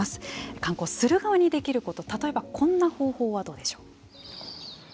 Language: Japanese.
観光する側にできること例えばこんな方法はどうでしょう。